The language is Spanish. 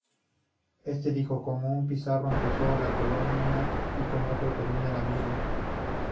Éste dijo "Con un Pizarro empezó la Colonia y con otro termina la misma".